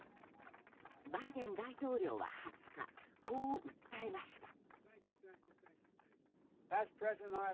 バイデン大統領は２０日こう訴えました。